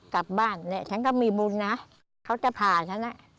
กลับบ้านแหละฉันก็มีบุญนะเขาจะผ่าฉัน